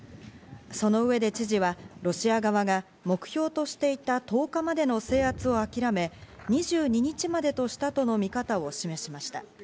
その上で知事はロシア側が目標としていた１０日までの制圧を諦め、２２日までとしたとの見方を示しました。